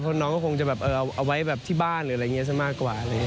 เพราะน้องก็คงจะเอาไว้ที่บ้านหรืออะไรอย่างนี้ซะมากกว่า